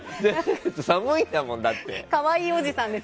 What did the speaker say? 寒いんだもん、だって。